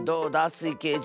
スイけいじ。